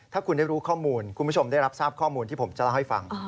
ถ้าคุณได้รู้ข้อมูลคุณผู้ชมได้รับทราบข้อมูลที่ผมจะเล่าให้ฟัง